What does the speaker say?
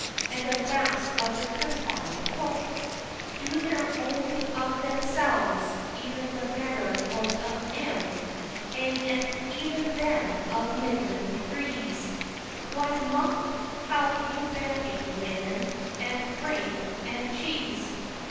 and a vast of the confined Folk Do their own of Themselves even the better most of em aye, and evn them of middling degrees Why Lauk help you Babby Linen aint Bread and Cheese!